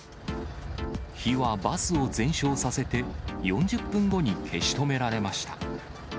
火はバスを全焼させて、４０分後に消し止められました。